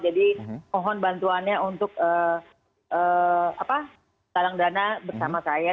jadi mohon bantuannya untuk menggalang dana bersama saya